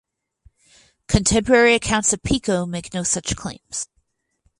Contemporary accounts of Pico make no such claims.